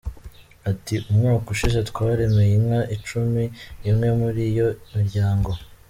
Ati “ Umwaka ushize twaremeye inka icumi imwe muri iyi miryango.